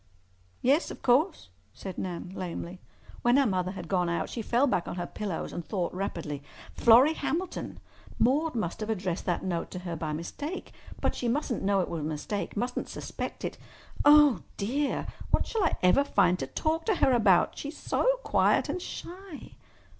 "Yes, of course," said Nan lamely. When her mother had gone out she fell back on her pillows and thought rapidly. "Florrie Hamilton! Maude must have addressed that note to her by mistake. But she mustn't know it was a mistake—mustn't suspect it. Oh, dear! What shall I ever find to talk to her about? She is so quiet and shy."